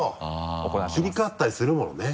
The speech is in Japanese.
なるへそ切り替わったりするものね。